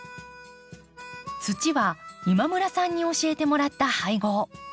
土は今村さんに教えてもらった配合。